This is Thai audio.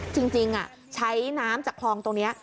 จริงใช้น้ำจากคลองตรงนี้